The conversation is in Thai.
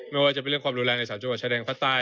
ไม่ว่าจะเป็นเรื่องความรุนแรงใน๓จังหวัดชายแดนภาคใต้